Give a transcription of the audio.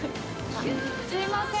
すいませーん。